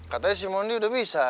katanya si mondi udah bisa